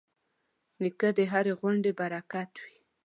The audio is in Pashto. نیکه د هرې غونډې برکت وي.